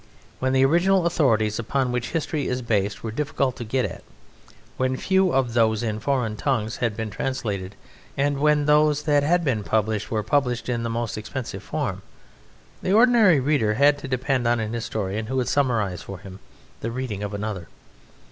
When the original authorities upon which history is based were difficult to get at, when few of those in foreign tongues had been translated, and when those that had been published were published in the most expensive form, the ordinary reader had to depend upon an historian who would summarize for him the reading of another.